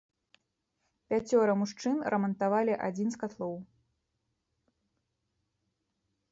Пяцёра мужчын рамантавалі адзін з катлоў.